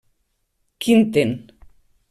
Quinten.